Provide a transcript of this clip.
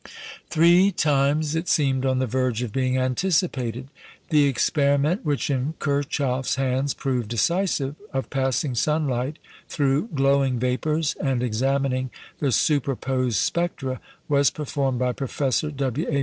Three times it seemed on the verge of being anticipated. The experiment, which in Kirchhoff's hands proved decisive, of passing sunlight through glowing vapours and examining the superposed spectra, was performed by Professor W. A.